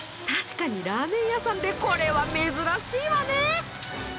確かにラーメン屋さんでこれは珍しいわね。